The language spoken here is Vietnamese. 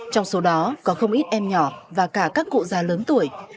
trong số đó có không ít em nhỏ và cả các cụ già lớn tuổi